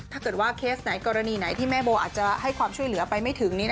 ถ้าเกิดว่าเคสไหนกรณีไหนที่แม่โบอาจจะให้ความช่วยเหลือไปไม่ถึง